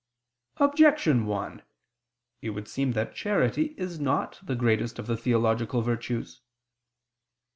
Objection 1: It would seem that charity is not the greatest of the theological virtues.